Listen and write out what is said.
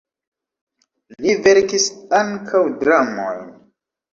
Li verkis ankaŭ dramojn.